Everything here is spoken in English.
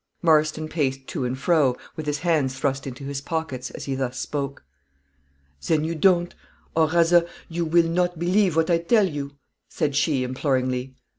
Marston paced to and fro, with his hands thrust into his pockets, as he thus spoke. "Then you don't, or rather you will not believe what I tell you?" said she, imploringly.